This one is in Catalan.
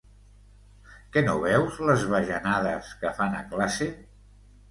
Que no veus les bajanades que fan a classe!